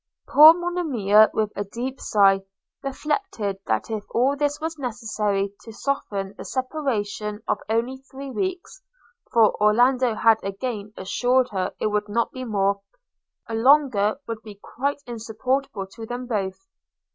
Poor Monimia, with a deep sigh, reflected, that if all this was necessary to soften a separation of only three weeks (for Orlando had again assured her it would not be more), a longer would be quite insupportable to them both.